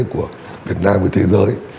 của việt nam với thế giới